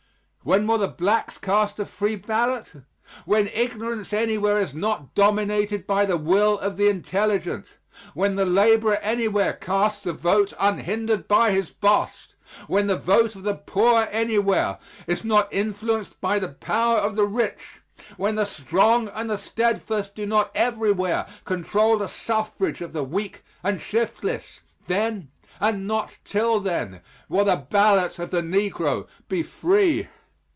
When will the blacks cast a free ballot? When ignorance anywhere is not dominated by the will of the intelligent; when the laborer anywhere casts a vote unhindered by his boss; when the vote of the poor anywhere is not influenced by the power of the rich; when the strong and the steadfast do not everywhere control the suffrage of the weak and shiftless then, and not till then, will the ballot of the negro be free.